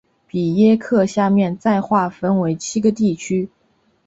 比耶克下面再划分为七个地区。